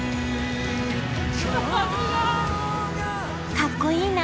かっこいいな。